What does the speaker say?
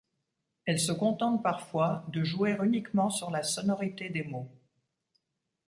Elle se contente parfois de jouer uniquement sur la sonorité des mots.